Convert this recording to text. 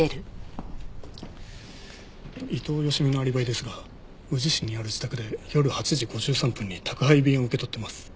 伊藤佳美のアリバイですが宇治市にある自宅で夜８時５３分に宅配便を受け取っています。